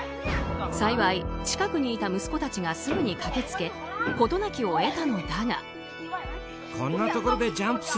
幸い、近くにいた息子たちがすぐに駆けつけ事なきを得たのだが。